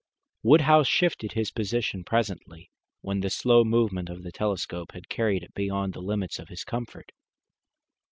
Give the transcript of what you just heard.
Woodhouse shifted his position presently, when the slow movement of the telescope had carried it beyond the limits of his comfort.